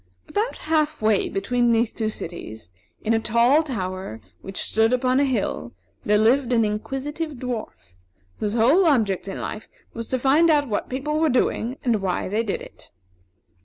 About half way between these two cities, in a tall tower which stood upon a hill, there lived an Inquisitive Dwarf, whose whole object in life was to find out what people were doing and why they did it.